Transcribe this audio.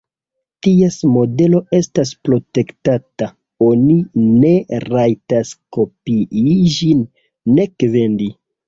Ties modelo estas protektata: oni ne rajtas kopii ĝin, nek vendi.